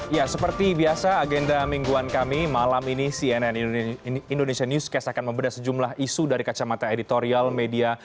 ya seperti biasa agenda mingguan kami malam ini cnn indonesia newscast akan membedah sejumlah isu dari kacamata editorial media